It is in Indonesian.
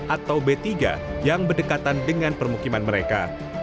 atau b tiga yang berdekatan dengan permukiman mereka